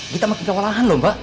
kita makin kewalahan lho mbak